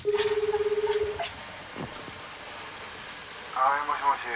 ☎☎はーいもしもし。